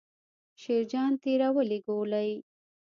شیرجان تېرې ولي ګولۍ.